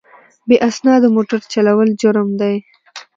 بې اسنادو موټر چلول جرم دی.